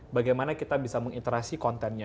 bagaimana kita bisa mengiterasi kontennya